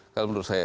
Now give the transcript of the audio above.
kalau menurut saya